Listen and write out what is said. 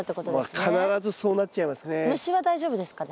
必ずそうなっちゃいますね。